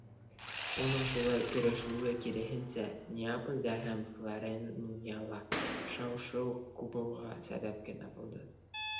Уның шулай көрәшеүе, киреһенсә, Неаполдә һәм Флоренңияла шау-шыу кубыуға сәбәп кенә булды.